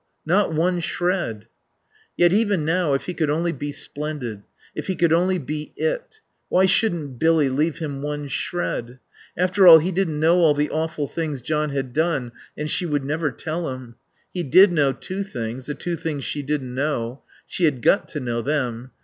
Not one shred." Yet, even now, if he could only be splendid If he could only be it! Why shouldn't Billy leave him one shred? After all, he didn't know all the awful things John had done; and she would never tell him.... He did know two things, the two things she didn't know. She had got to know them.